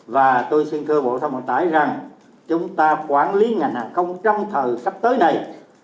và tôi xin cơ bộ thông báo tải rằng chúng ta quản lý ngành hàng không trong thờ sắp tới này